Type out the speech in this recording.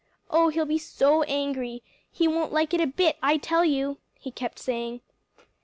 Oh, he'll be so angry! He won't like it a bit, I tell you," he kept saying.